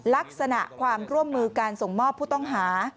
ลักษณะความร่วมมือการส่งมอบผู้ต้องหา